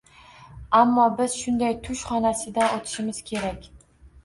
Ammo biz bunday tush xonasidan o'tishimiz kerak